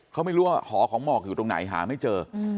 เขาไม่รู้ว่าหอของหมอกอยู่ตรงไหนหาไม่เจอ